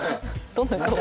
どんな顔？